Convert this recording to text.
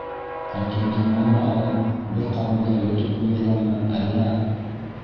— Ә туңдырманы алып бер ҡабыуҙа йотоп ҡуйырғамы, әллә?..